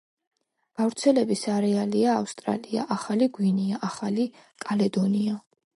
გავრცელების არეალია ავსტრალია, ახალი გვინეა, ახალი კალედონია.